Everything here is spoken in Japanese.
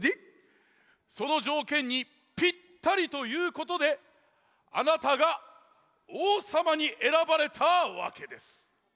そのじょうけんにピッタリということであなたがおうさまにえらばれたわけです。